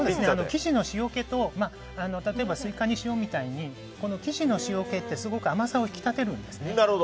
生地の塩気と例えば、スイカに塩みたいに生地の塩気ってすごく甘さを引き立てるんですね。